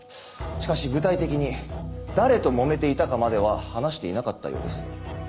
しかし具体的に誰ともめていたかまでは話していなかったようです。